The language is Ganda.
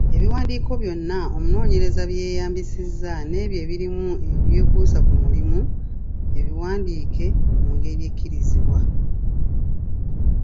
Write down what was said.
Ebiwandiiko byonna omunoonyereza bye yeeyambisizza n’ebyo ebirimu ebyekuusa ku mulimu, abiwandiike mu ngeri ekkirizibwa.